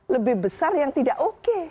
lebih besar yang tidak oke